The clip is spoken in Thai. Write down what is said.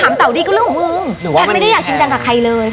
แพทย์ไม่ได้อยากจิงกับใครเลย